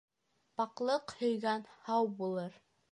Паҡлыҡ һөйгән һау булыр.